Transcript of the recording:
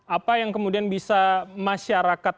apa yang kemudian bisa masyarakat